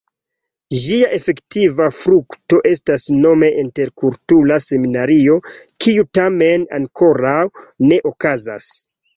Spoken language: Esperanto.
Ĝia efektiva frukto estas nome "Interkultura Seminario", kiu tamen ankoraŭ ne okazas.